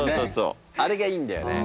あれがいいんだよね。